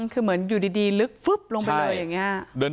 คือเหมือนอยู่ดีลึกฟึ๊บลงไปเลยอย่างนี้